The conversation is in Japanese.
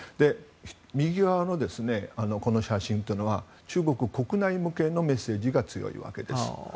右側の写真は中国国内向けのメッセージが強いわけです。